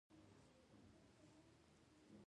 د ښو اخلاقو هڅونه د ټولنې د پرمختګ سبب ده.